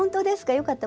よかった。